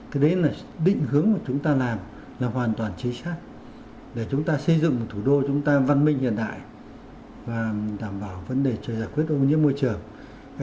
cái đấy là định hướng mà chúng ta làm là hoàn toàn chính xác để chúng ta xây dựng một thủ đô chúng ta văn minh hiện đại và đảm bảo vấn đề giải quyết ô nhiễm môi trường